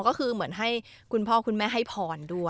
อ๋อก็คือเสม็นให้คุณพ่อคุณแม่ให้ผอนด้วย